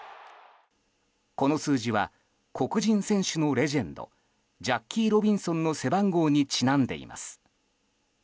この数字は黒人選手のレジェンドジャッキー・ロビンソンの背番号にちなんでいます。